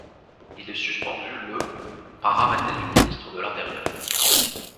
Il est suspendu le par arrêté du ministre de l'intérieur.